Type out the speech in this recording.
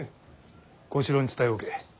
小四郎に伝えおけ。